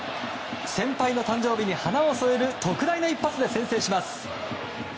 先輩の誕生日に花を添える特大の一発で先制します。